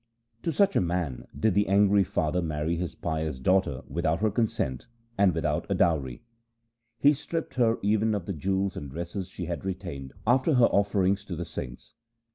To such a man did the angry father marry his pious daughter without her consent and without a dowry. He stripped her even of the jewels and dresses she had retained after her offerings to the saints.